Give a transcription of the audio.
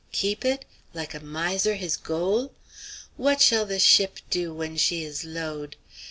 Keep it? Like a miser his gol'? What shall the ship do when she is load'?